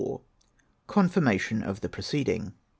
CONFIRMATION OF THE PRECEDING.